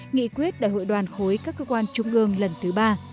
nghị quyết đại hội đoàn khối các cơ quan trung ương lần thứ ba